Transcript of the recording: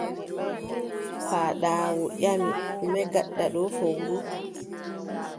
Paaɗaawu ƴami: ɗume ngaɗɗa ɗo fowru?